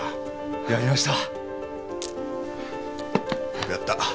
よくやった。